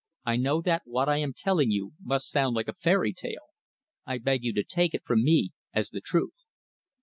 "I know that what I am telling you must sound like a fairy tale. I beg you to take it from me as the truth."